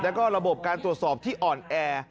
แล้วก็ระบบการตรวจสอบที่อ่อนแอ